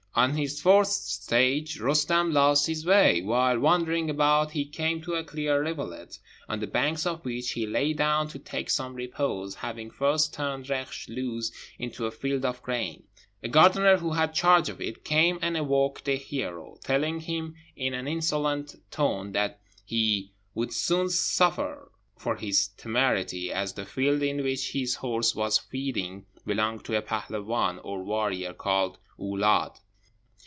On his fourth stage Roostem lost his way. While wandering about he came to a clear rivulet, on the banks of which he lay down to take some repose, having first turned Reksh loose into a field of grain. A gardener who had charge of it came and awoke the hero, telling him in an insolent tone that he would soon suffer for his temerity, as the field in which his horse was feeding belonged to a pehloovân, or warrior, called Oulâd.